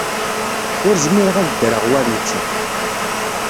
Ur zmireɣ ad ddreɣ war netta.